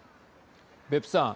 別府さん。